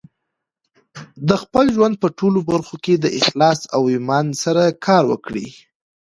د خپل ژوند په ټولو برخو کې د اخلاص او ایمان سره کار وکړئ.